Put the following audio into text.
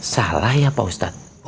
salah ya pak ustadz